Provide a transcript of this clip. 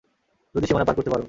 যদি সীমানা পার করতে পারো।